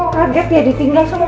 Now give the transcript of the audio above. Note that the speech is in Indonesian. kaget ya ditinggal semua